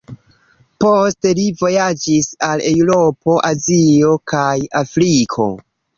Poste li vojaĝis al Eŭropo, Azio kaj Afriko.